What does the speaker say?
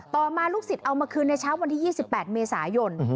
ต่อมาลูกศิษย์เอามาคืนในเช้าวันที่๒๘เมษายน